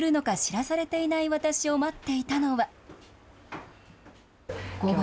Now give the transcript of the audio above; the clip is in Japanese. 何をするのか知らされていない私を待っていたのは。